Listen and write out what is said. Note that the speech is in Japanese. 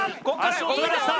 足を取りました